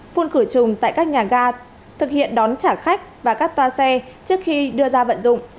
phun khử trùng tại các nhà ga thực hiện đón trả khách và các toa xe trước khi đưa ra vận dụng